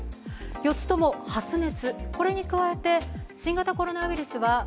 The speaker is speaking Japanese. ４つとも発熱。